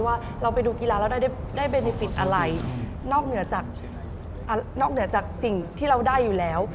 ว่าเราไปดูกีฬาแล้วได้เบนิฟิตอะไรนอกเหนือจากนอกเหนือจากสิ่งที่เราได้อยู่แล้ว